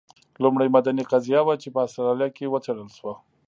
لومړنۍ مدني قضیه وه چې په اسټرالیا کې وڅېړل شوه.